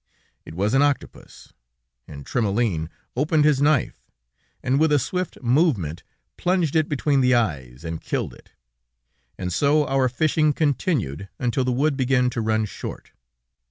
It was an octopus, and Trémoulin opened his knife, and with a swift movement plunged it between the eyes, and killed it. And so our fishing continued until the wood began to run short.